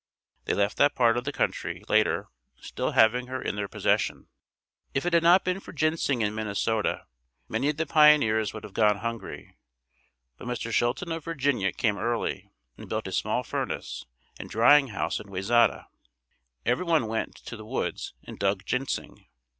They left that part of the country later, still having her in their possession. If it had not been for ginseng in Minnesota, many of the pioneers would have gone hungry. Mr. Chilton of Virginia came early and built a small furnace and drying house in Wayzata. Everyone went to the woods and dug ginseng.